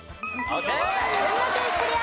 群馬県クリア！